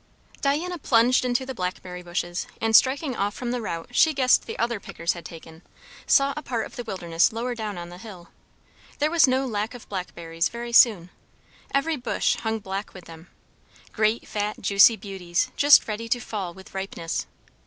Diana plunged into the blackberry bushes, and striking off from the route she guessed the other pickers had taken, sought a part of the wilderness lower down on the hill. There was no lack of blackberries very soon. Every bush hung black with them; great, fat, juicy beauties, just ready to fall with ripeness.